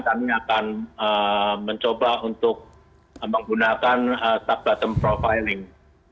kami akan mencoba untuk menggunakan stuck bottom profiling